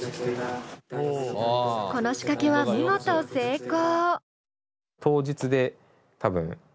この仕掛けは見事成功。